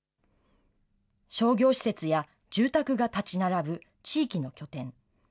商業施設や住宅が建ち並ぶ地域の拠点。